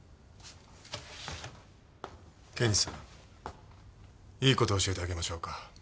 検事さんいい事教えてあげましょうか。